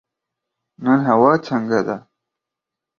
نن هوا څنګه ده؟